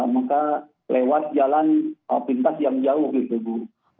maka lewat jalan pintas yang jauh gitu bu